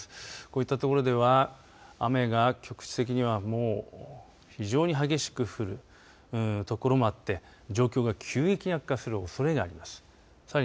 こういったところでは雨が局地的にはもう非常に激しく降るところもあって状況が急激に悪化するおそれがあります。